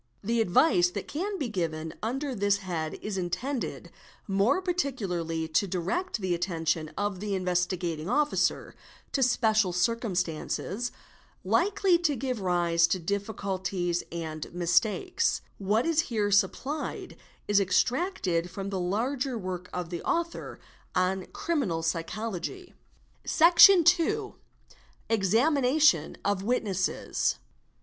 The advice that can be given' under this head is intended more particularly to direct the attention of the Investigating Officer to special circumstances likely to give rise to difficulties and mistakes, What is here supplied is extracted from the larger work of the author on " Criminal Psychology "©, Section II.—Examination of Witnesses.